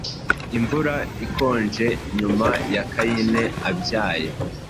Imvura ikonjenyuma ya Kayini abyaye